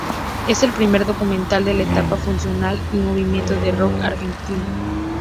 Es el primer documental de la etapa fundacional del movimiento de rock argentino.